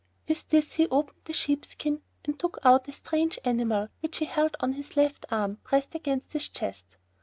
With this he opened the sheepskin and took out a strange animal which he held on his left arm, pressed against his chest.